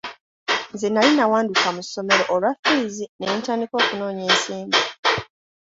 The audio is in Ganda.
Nze nali nawanduka mu ssomero olwa ffiizi ne ntandika okunoonya ensimbi.